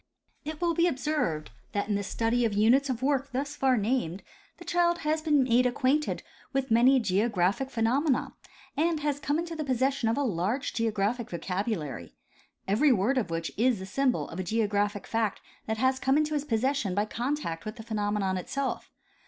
It will be observed that in the study of units of work thus far named the child has been made acquainted with many geo graphic phenomena and has come into the possession of a large geographic vocabulary, every word of which is the symbol of a geographic fact that has come into his possession by contact with the phenomenon itself.